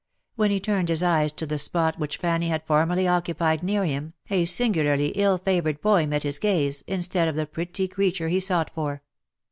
when he turned his eyes to the spot which Fanny had formerly occupied near him, a singularly ill favoured boy met his gaze, instead of the pretty creature he sought for.